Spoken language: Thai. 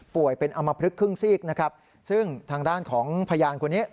เป็นอมพลึกครึ่งซีกนะครับซึ่งทางด้านของพยานคนนี้